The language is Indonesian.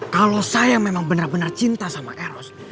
kalau saya memang benar benar cinta sama eros